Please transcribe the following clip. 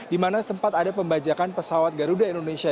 di mana sempat ada pembajakan pesawat garuda indonesia